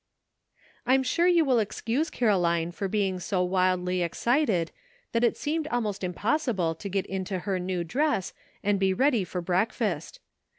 I am sure you will excuse Caroline for being so wildly excited that it seemed almost impos sible to get into her new dress and be ready for breakfast.